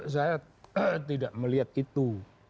saya tidak melihat itu